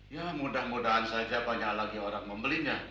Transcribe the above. ya mudah mudahan saja banyak lagi orang membelinya